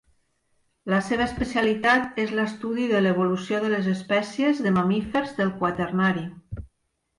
La seva especialitat és l'estudi de l'evolució de les espècies de mamífers del Quaternari.